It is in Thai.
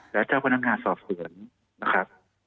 และเจ้าพนักงานสอบสวนนะครับ